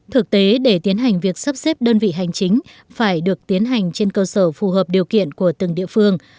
thực tế để tiến hành việc sắp xếp đơn vị hành chính phải được tiến hành trên cơ sở phù hợp điều kiện của từng địa phương